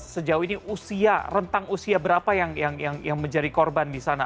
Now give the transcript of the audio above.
sejauh ini usia rentang usia berapa yang menjadi korban di sana